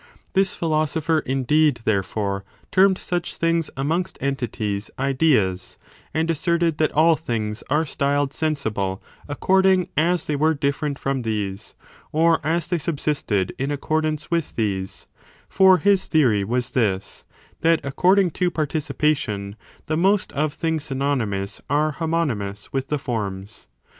This philosopher, indeed, therefore, termed such things amongst entities, ideas; and asserted that all things are styled sensible according as they were diflferent from these, or as they subsisted in accordance with these : for his theory was this, — that, according to participation, the most of things synonymous are homonymous with the forms.